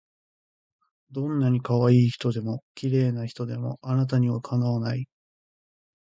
どんない可愛い人でも綺麗な人でもあなたには敵わない